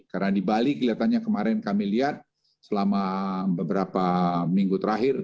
karena di bali kelihatannya kemarin kami lihat selama beberapa minggu terakhir